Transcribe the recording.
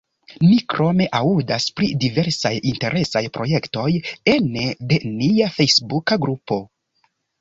Ni krome aŭdas pri diversaj interesaj projektoj ene de nia fejsbuka grupo.